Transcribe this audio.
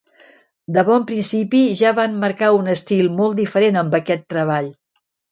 De bon principi ja van marcar un estil molt diferent amb aquest treball.